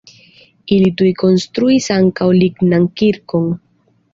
Ili tuj konstruis ankaŭ lignan kirkon.